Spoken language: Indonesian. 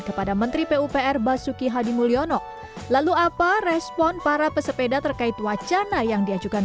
kepada menteri pupr basuki hadimulyono lalu apa respon para pesepeda terkait wacana yang diajukan